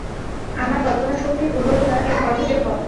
আমার কল্পনাশক্তির উর্বরতা এর অর্ধেকেরও কম।